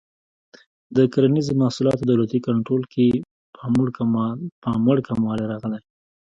د کرنیزو محصولاتو دولتي کنټرول کې پاموړ کموالی راغی.